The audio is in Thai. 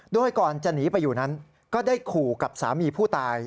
โดยก่อนจะหนีไปอยู่นั้นก็ได้ขู่กับสามีผู้ตาย